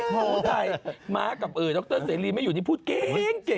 พูดได้มากับเอ๋ยน็อกเติร์นเซรีไม่อยู่นี่พูดเก๋งเก่ง